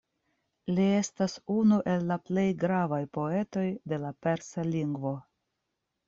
Li estas unu el la plej gravaj poetoj de la persa lingvo.